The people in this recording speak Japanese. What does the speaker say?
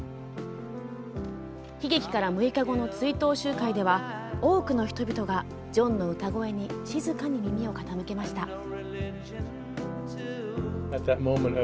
悲劇から６日後の追悼集会では多くの人々がジョンの歌声に静かに耳を傾けました。